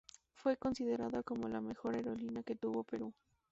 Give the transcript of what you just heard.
Fue considerada como la mejor aerolínea que tuvo Perú.